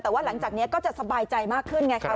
แต่ว่าหลังจากนี้ก็จะสบายใจมากขึ้นไงครับ